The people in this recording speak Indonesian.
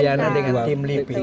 justru mereka semakin terpingin